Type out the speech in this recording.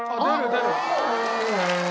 出る！